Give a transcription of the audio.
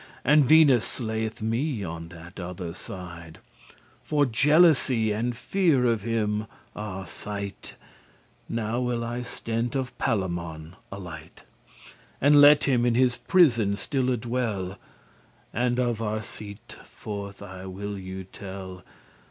And Venus slay'th me on that other side For jealousy, and fear of him, Arcite." Now will I stent* of Palamon a lite, *pause little And let him in his prison stille dwell, And of Arcita forth I will you tell.